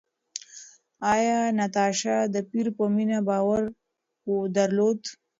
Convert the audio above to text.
ایا ناتاشا د پییر په مینه باور درلود؟